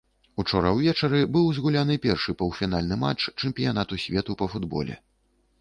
Учора ўвечары быў згуляны першы паўфінальны матч чэмпіянату свету па футболе.